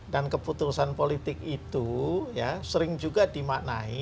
dan keputusan politik itu sering juga dimaknai